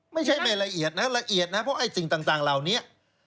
ไม่ใช่ไม่ละเอียดนะละเอียดนะเพราะไอ้สิ่งต่างเหล่านี้